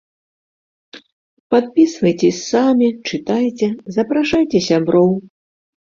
Падпісвайцеся самі, чытайце, запрашайце сяброў!